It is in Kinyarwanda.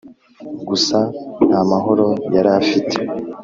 gusa ntamahoro yarafite